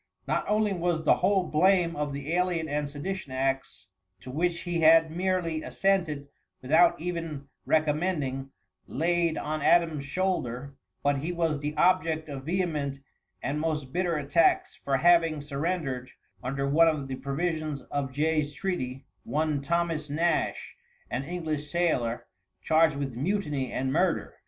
Not only was the whole blame of the alien and sedition acts, to which he had merely assented without even recommending, laid on Adams' shoulders, but he was the object of vehement and most bitter attacks for having surrendered, under one of the provisions of Jay's treaty, one Thomas Nash, an English sailor, charged with mutiny and murder.